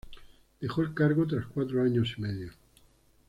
Dejó el cargo tras cuatro años y medio.